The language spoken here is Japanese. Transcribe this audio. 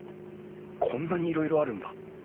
こんなにいろいろあるんだ！